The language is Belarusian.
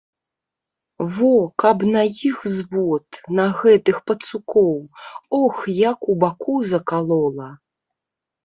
Во, каб на іх звод, на гэтых пацукоў, ох, як у баку закалола.